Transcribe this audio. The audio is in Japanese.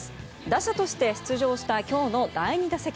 打者として出場した今日の第２打席。